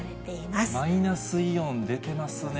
マイナスイオン、出てますね。